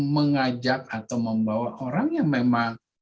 mengajak atau membawa orang yang memang